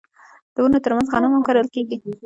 د ونو ترمنځ غنم هم کرل کیږي.